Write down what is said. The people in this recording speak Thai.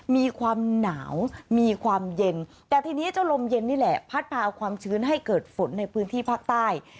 มีความหนาวมีความเย็นแต่ทีนี้เจ้าลมเย็นนี่แหละพัดพาเอาความชื้นให้เกิดฝนในพื้นที่ภาคใต้